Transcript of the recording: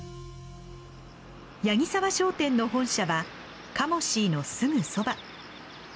八木澤商店の本社はカモシーのすぐそば。